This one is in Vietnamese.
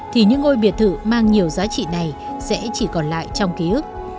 thì những ngôi biệt thự mang nhiều giá trị này sẽ chỉ còn lại trong ký ức